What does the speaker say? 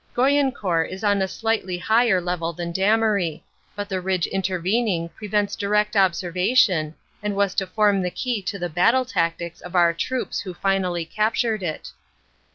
Goyencourt is on a slightly higher level than Damery, but the ridge intervening prevents direct observation and was to form the key to the battle tactics of our troops who finally captured it.